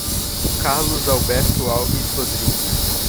Carlos Alberto Alves Rodrigues